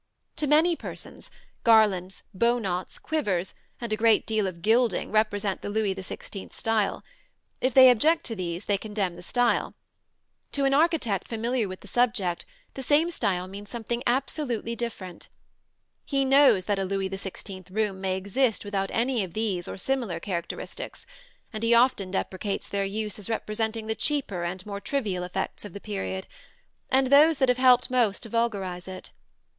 To many persons, garlands, bow knots, quivers, and a great deal of gilding represent the Louis XVI style; if they object to these, they condemn the style. To an architect familiar with the subject the same style means something absolutely different. He knows that a Louis XVI room may exist without any of these or similar characteristics; and he often deprecates their use as representing the cheaper and more trivial effects of the period, and those that have most helped to vulgarize it.